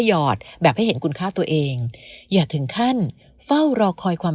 หอดแบบให้เห็นคุณค่าตัวเองอย่าถึงขั้นเฝ้ารอคอยความ